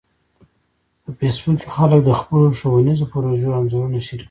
په فېسبوک کې خلک د خپلو ښوونیزو پروژو انځورونه شریکوي